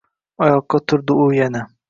Oyoqqa turdi u yana.